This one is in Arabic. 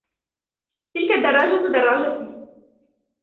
تلك الدراجة دراجتي.